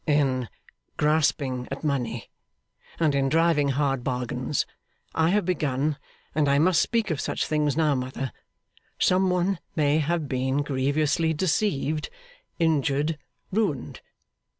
'In grasping at money and in driving hard bargains I have begun, and I must speak of such things now, mother some one may have been grievously deceived, injured, ruined.